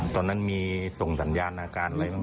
ตอนนั้นมีส่งสัญญาณอาการอะไรบ้าง